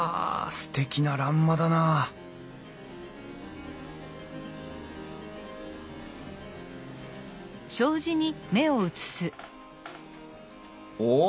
すてきな欄間だなあおっ！